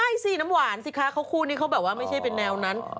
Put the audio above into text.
ใช่สิน้ำหวานสิคะเขาคู่นี้เขาแบบว่าไม่ใช่เป็นแนวนั้น